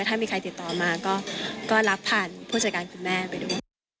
ถ้ามีใครติดต่อมาก็รับผ่านผู้จัดการคุณแม่ไปด้วย